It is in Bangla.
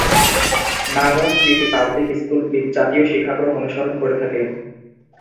মামুন স্মৃতি পাবলিক স্কুল জাতীয় শিক্ষাক্রম অনুসরণ করে থাকে।